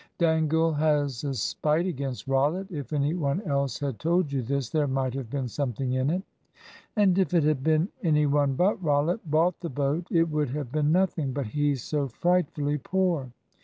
"Dangle has a spite against Rollitt. If any one else had told you this, there might have been something in it." "And if it had been any one but Rollitt bought the boat, it would have been nothing. But he's so frightfully poor.